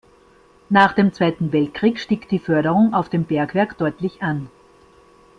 Nach dem Zweiten Weltkrieg stieg die Förderung auf dem Bergwerk deutlich an.